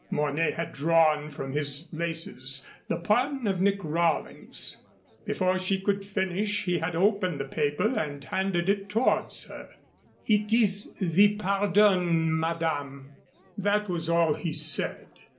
Mornay had drawn from his laces the pardon of Nick Rawlings. Before she could finish he had opened the paper and handed it towards her. "It is the pardon, madame." That was all he said.